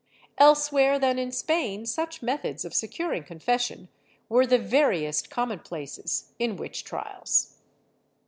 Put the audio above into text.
^ Elsewhere than in Spain such methods of securing confession were the veriest commonplaces in witch trials.